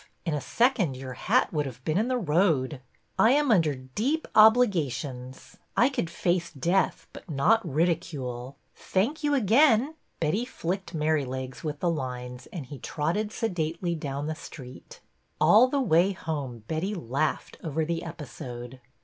In a second your hat would have been in the road." " I am under deep obligations. I could face death, but not ridicule. Thank you again !" Betty flicked Merrylegs with the lines and he trotted sedately down the street. All the way home Betty laughed over the episode.